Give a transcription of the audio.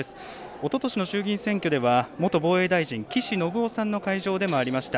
おととしの衆議院選挙では元防衛大臣、岸信夫さんの会場でもありました。